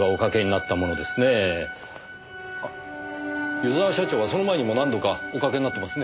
湯沢社長はその前にも何度かおかけになってますね？